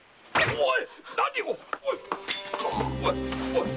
おい！